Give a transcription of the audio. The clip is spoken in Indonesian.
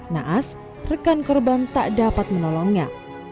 naas rekan korban tak dapat menolongnya